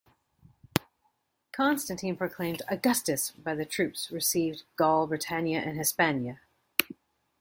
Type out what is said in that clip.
Constantine, proclaimed "Augustus" by the troops received Gaul, Britannia and Hispania.